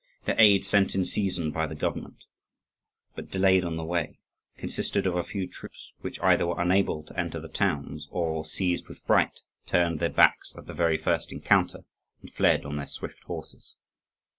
The aid sent in season by the government, but delayed on the way, consisted of a few troops which either were unable to enter the towns or, seized with fright, turned their backs at the very first encounter and fled on their swift horses.